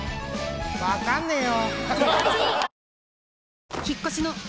分かんねえよ。